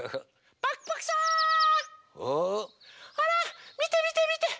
ほらみてみてみて。